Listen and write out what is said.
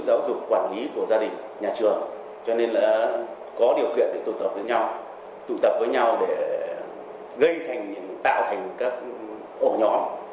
giáo dục quản lý của gia đình nhà trường cho nên là có điều kiện để tụ tập với nhau tụ tập với nhau để gây tạo thành các ổ nhóm